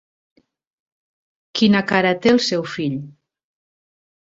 Quina cara té el seu fill?